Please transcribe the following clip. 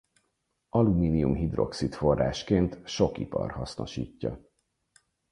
Alumínium-hidroxid-forrásként sok ipar hasznosítja.